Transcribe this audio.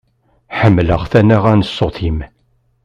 Ḥemmleɣ tanaɣa n ṣṣut-im.